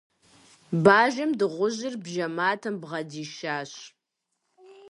Бажэм дыгъужьыр бжьэматэм бгъэдишащ.